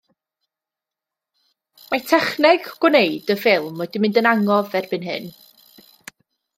Mae techneg gwneud y ffilm wedi mynd yn angof erbyn hyn.